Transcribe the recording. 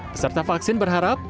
peserta vaksin berharap